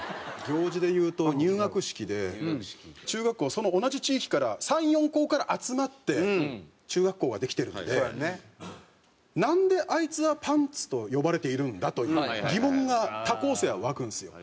行事でいうと入学式で中学校その同じ地域から３４校から集まって中学校ができてるのでなんであいつは「パンツ」と呼ばれているんだ？という疑問が他校生は湧くんですよ。